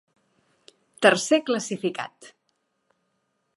Tercer classificat.